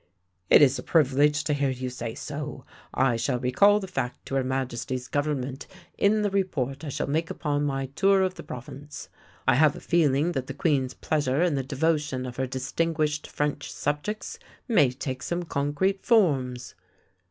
" It is a privilege to hear you say so. I shall recall the fact to Her Majesty's Government in the report I shall make upon my tour of the province. I have a feeling that the Queen's pleasure in the devo tion of her distinguished French subjects may take some concrete forms."